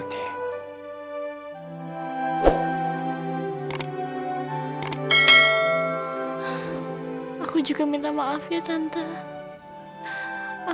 dan juga percuma dengan kamu